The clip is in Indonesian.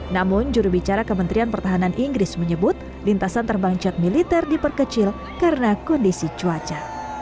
namun jurubicara kementerian pertahanan inggris menyebut lintasan terbang cat militer diperkecil karena kondisi cuaca